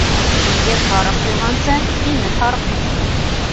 Һигеҙ һарыҡ һуйғансы һимеҙ һарыҡ һуй.